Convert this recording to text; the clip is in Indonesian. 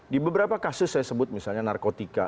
di beberapa kasus saya sebut misalnya narkotika